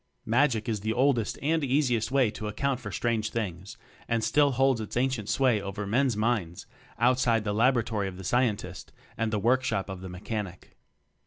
"Magic" is the oldest and easiest way to account for strange things, and still holds its ancient sway over men's minds outside the laboratory of the scientist and the workshop of the mechanic.